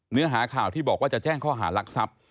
เนื้อหาข่าวที่บอกว่าจะแจ้งข้อหารักทรัพย์